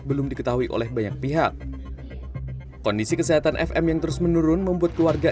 belum diketahui oleh banyak pihak kondisi kesehatan fm yang terus menurun membuat keluarga